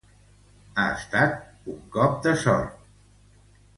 Ha estat un colp de sort.